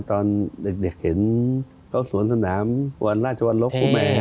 ตอนเด็กเห็นเขาสวนสนามวันราชวรรลบคุณแม่